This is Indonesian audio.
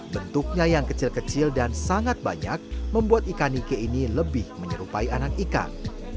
bentuknya yang kecil kecil dan sangat banyak membuat ikan ike ini lebih menyerupai anak ikan